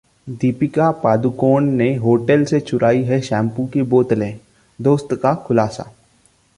दीपिका पादुकोण ने होटल से चुराई हैं शैम्पू की बोतलें, दोस्त का खुलासा